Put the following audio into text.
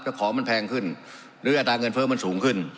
ของมันแพงขึ้นหรืออัตราเงินเพิ่มมันสูงขึ้น